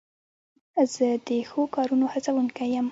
زه د ښو کارونو هڅوونکی یم.